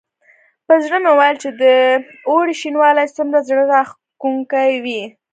په زړه مې ویل چې د اوړي شینوالی څومره زړه راښکونکی وي.